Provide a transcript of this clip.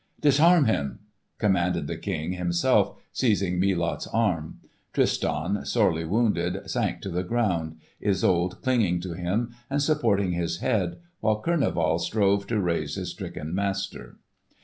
"Disarm him!" commanded the King, himself seizing Melot's arm. Tristan, sorely wounded, sank to the ground, Isolde clinging to him and supporting his head, while Kurneval strove to raise his stricken master.